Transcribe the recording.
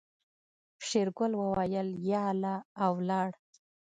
شېرګل وويل يا الله او ولاړ.